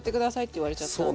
言われちゃったんで。